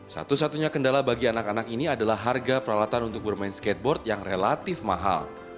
satu satunya kendala bagi anak anak ini adalah harga peralatan untuk bermain skateboard yang relatif mahal